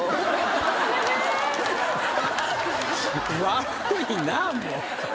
悪いなあもう。